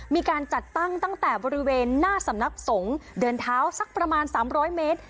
มีการจัดตั้งตั้งแต่บริเวณหน้าสำนักสงฆ์เดินเท้าสักประมาณ๓๐๐เมตร